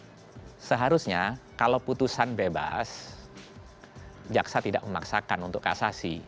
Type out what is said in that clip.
nah seharusnya kalau putusan bebas jaksa tidak memaksakan untuk kasasi